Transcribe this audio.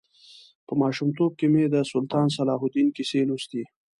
په ماشومتوب کې مې د سلطان صلاح الدین کیسې لوستې.